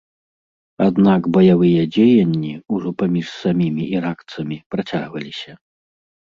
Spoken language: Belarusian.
Аднак баявыя дзеянні, ужо паміж самімі іракцамі, працягваліся.